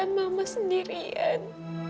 meneritaan mama sendirian